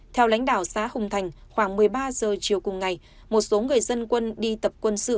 theo lãnh đạo xã hùng thành khoảng một mươi ba giờ chiều cùng ngày một số người dân quân đi tập quân sự